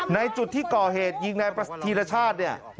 ในจุดที่ก่อเหตุยิงนายทีรชาติ